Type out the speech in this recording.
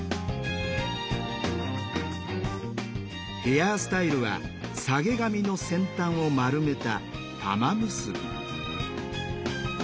ヘアスタイルは下げ髪の先端を丸めた玉結び。